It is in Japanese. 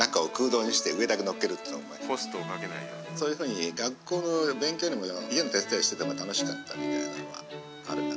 そういうふうに学校の勉強よりも家の手伝いしてた方が楽しかったみたいなのはあるかな。